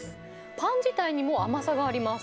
パン自体にも甘さがあります。